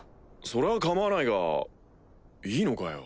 それは構わないがいいのかよ？